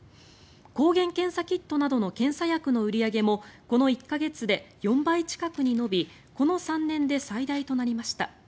抗原検査キットなどの検査薬の売り上げもこの１か月で４倍近くに伸びこの３年で最大となりました。